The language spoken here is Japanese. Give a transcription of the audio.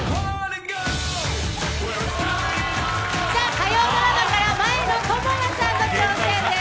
火曜ドラマから前野朋哉さんが挑戦です。